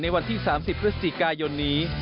ในวันที่๓๐พฤษฎีกายนนี้